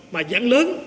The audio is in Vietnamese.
mà dự án lớn